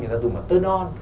người ta dùng là tơ non